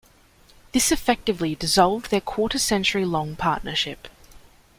This effectively dissolved their quarter century-long partnership.